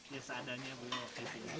ya seadanya belum oke